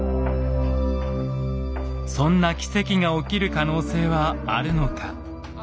そんな奇跡が起きる可能性はあるのか。